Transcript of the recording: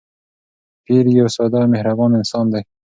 پییر یو ساده او مهربان انسان دی.